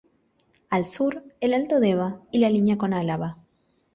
Al sur, el alto Deba y la línea con Álava.